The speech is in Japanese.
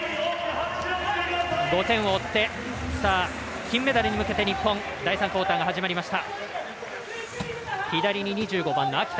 ５点を追って金メダルに向けて日本第３クオーターが始まりました。